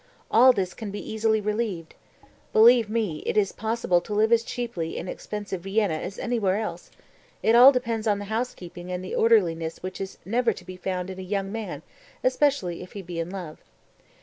All this can be easily relieved. Believe me it is possible to live as cheaply in expensive Vienna as anywhere else; it all depends on the housekeeping and the orderliness which is never to be found in a young man especially if he be in love.